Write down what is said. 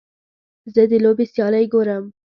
زه د لوبې سیالۍ ګورم.